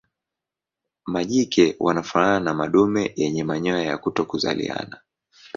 Majike wanafanana na madume yenye manyoya ya kutokuzaliana.